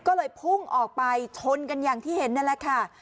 ก็เลยพุ่งออกไปชนกันอย่างที่เห็นนั่นแหละค่ะ